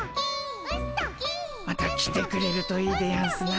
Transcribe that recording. また来てくれるといいでやんすな。